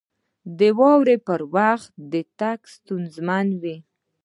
• د واورې پر وخت تګ ستونزمن وي.